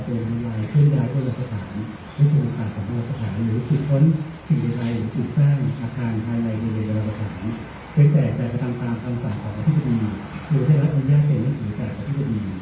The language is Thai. ก็จะแจ้งไปตามคำสั่งของวัฒนธุ์ภาษาโดยให้รับอนุญาตเก็บนักศึกษาของวัฒนธุ์ภาษา